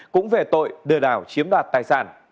cũng về tội lừa đảo chiếm đoạt tài sản